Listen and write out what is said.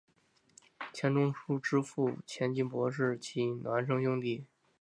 钱钟书之父钱基博是其孪生兄弟。